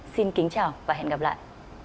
xin kính chào và hẹn gặp lại